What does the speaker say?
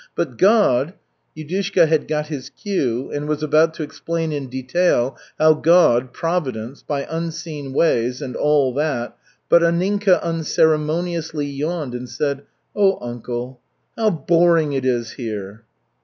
But God " Yudushka had got his cue and was about to explain in detail how God Providence by unseen ways and all that, but Anninka unceremoniously yawned and said: "Oh, uncle, how boring it is here."